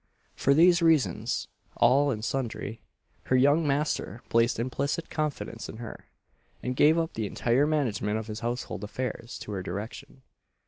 For these reasons, all and sundry, her young master placed implicit confidence in her, and gave up the entire management of his household affairs to her direction.